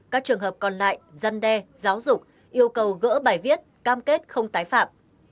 các trường hợp còn lại dân đe giáo dục yêu cầu gỡ bài viết cam kết không tái phạm